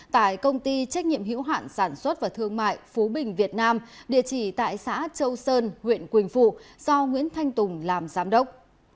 tại công ty trách nhiệm hiểu hạn sản xuất và thương mại phú bình việt nam địa chỉ tại xã châu sơn huyện quỳnh phụ do nguyễn thanh tùng làm giám đốc